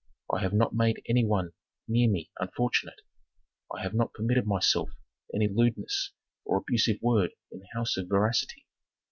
I have not made any one near me unfortunate. I have not permitted myself any lewdness or abusive word in the house of veracity.